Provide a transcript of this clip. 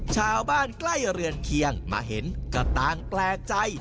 ชาวบ้านใกล้เรือนเคียงมาเห็นก็ต่างแปลกใจ